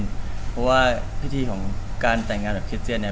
เพราะว่าพิธีของการแต่งงานแบบคริสเซียนเนี่ย